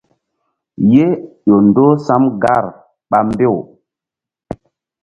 Ye ƴo ndoh sam gar ɓa mbew.